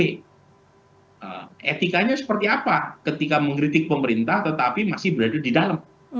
etikanya seperti apa ketika mengkritik pemerintah tetapi masih berada di dalam